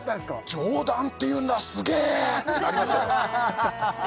上段っていうんだすげえ！ってなりましたよ